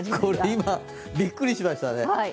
今、びっくりしましたね。